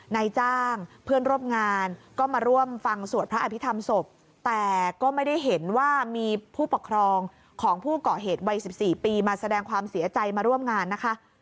นายจ้างเพื่อนร่วมงานก็มาร่วมฟังสวดพระอภิษฐรรมศพแต่ก็ไม่ได้เห็นว่ามีผู้ปกครองของผู้เกาะเหตุวัย๑๔ปีมาแสดงความเสียใจมาร่วมงานนะคะ